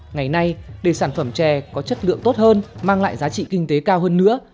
ngày nay để sản phẩm chè có chất lượng tốt hơn mang lại giá trị kinh tế cao hơn nữa